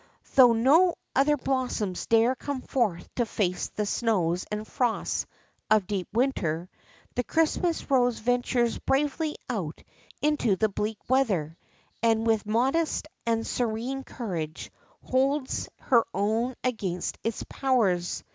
Though no other blossoms dare come forth to face the snows and frosts of deep winter, the Christmas Rose ventures bravely out into the bleak weather, and with modest and serene courage holds her own against its powers.